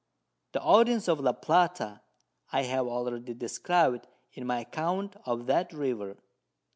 The Audience of La Plata I have already described in my Account of that River.